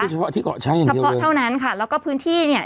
เฉพาะที่เกาะช้างอย่างเดียวเลยเฉพาะเท่านั้นค่ะแล้วก็พื้นที่เนี่ย